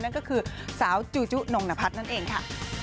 นั่นก็คือสาวจูจุนงนพัฒน์นั่นเองค่ะ